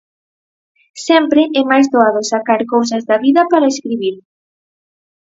Sempre é máis doado sacar cousas da vida para escribir.